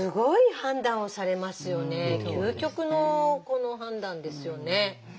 究極の判断ですよね。